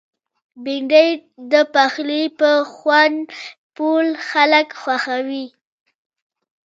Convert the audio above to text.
بېنډۍ د پخلي په خوند پوه خلک خوښوي